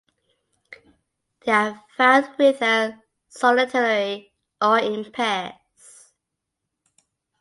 They are found wither solitarily or in pairs.